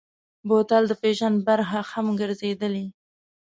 بوتل د فیشن برخه هم ګرځېدلې.